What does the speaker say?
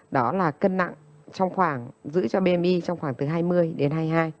đó là cân nặng trong khoảng giữ cho bimi trong khoảng từ hai mươi đến hai mươi hai